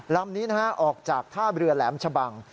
ลำนี้นะฮะออกจากท่าเรือแหลมชะบัง